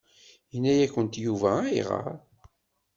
Yenna-yakent Yuba ayɣer?